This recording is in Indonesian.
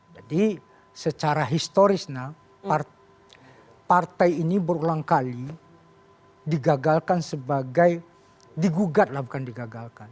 jadi secara historisnya partai ini berulang kali digagalkan sebagai digugat lah bukan digagalkan